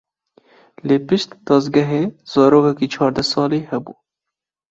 Li pişt dezgehê zarokekî çardeh salî hebû.